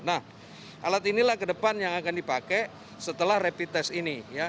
nah alat inilah ke depan yang akan dipakai setelah rapid test ini